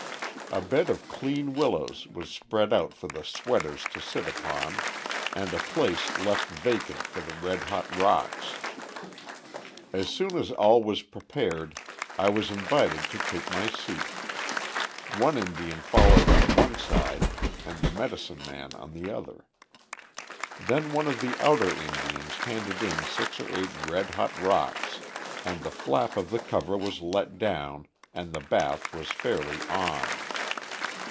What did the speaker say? A bed of clean willows was spread out for the "sweaters" to sit upon, and a place left vacant for the red hot rocks. As soon as all was prepared I was invited to take my seat; one Indian followed on one side and the Medicine Man on the other. Then one of the outer Indians handed in six or eight red hot rocks, and the flap of the cover was let down and the bath was fairly "on."